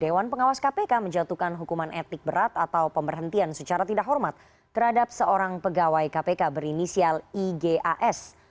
dewan pengawas kpk menjatuhkan hukuman etik berat atau pemberhentian secara tidak hormat terhadap seorang pegawai kpk berinisial igas